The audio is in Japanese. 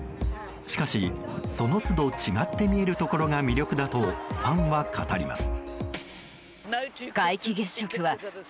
しかし、その都度違って見えるところが魅力だとファンは語ります。